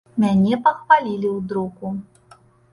Мяне пахвалілі ў друку.